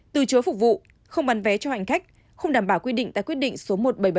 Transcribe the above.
từ chối phục vụ không bắn vé cho hành khách không đảm bảo quy định tại quy định số một nghìn bảy trăm bảy mươi bảy